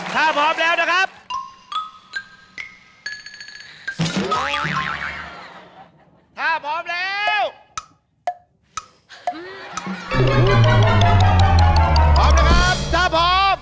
ถ้าพร้อมแล้วนะครับ